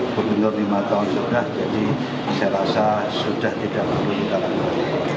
gubernur lima tahun sudah jadi saya rasa sudah tidak perlu kita lakukan